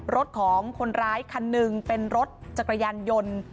รถของคนร้ายคันหนึ่งเป็นรถจักรยานยนต์